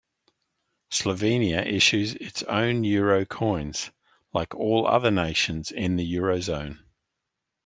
Slovenia issues its own euro coins, like all other nations in the Eurozone.